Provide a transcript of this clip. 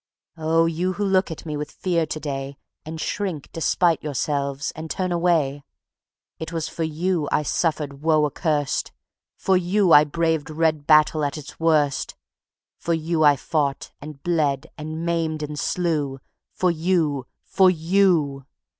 (Oh, you who look at me with fear to day, And shrink despite yourselves, and turn away It was for you I suffered woe accurst; For you I braved red battle at its worst; For you I fought and bled and maimed and slew; For you, for you!